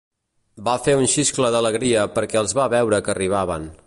Va fer un xiscle d'alegria perquè els va veure que arribaven.